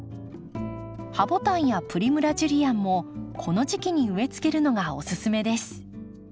ハボタンやプリムラ・ジュリアンもこの時期に植えつけるのがおすすめです。